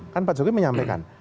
kan pak jokowi menyampaikan